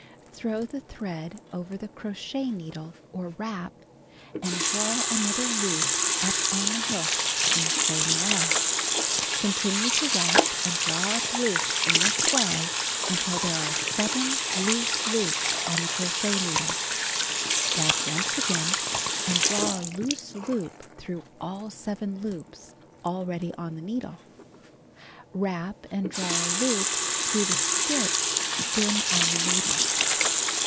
Throw the tliread over the crochet needle, or "wrap," and draw another loop up on the hook in the same way. Continue to wrap and draw up loops in this way until there are 7 loose loops on the crochet needle. (See picture.) Wrap once again, and draw a loose loop through all 7 loops already on the needle. Wrap and draw a loop through the stitch then on the needle.